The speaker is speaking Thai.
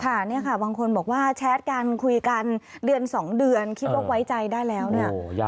ค่ะเนี่ยค่ะบางคนบอกว่าแชทกันคุยกันเดือน๒เดือนคิดว่าไว้ใจได้แล้วเนี่ย